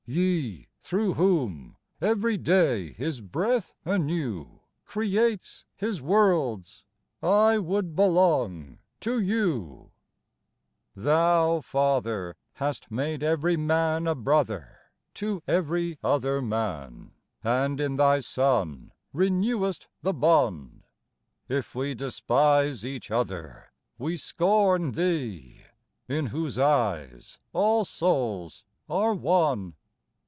Ye, through whom every day His breath anew Creates His worlds, I would belong to you ! (30) THE BLESSED COMPANY 3 1 Thou, Father, hast made every man a brother To every other man, and in thy Son Renewest the bond : if we despise each other, We scorn Thee, in whose eyes all souls are one.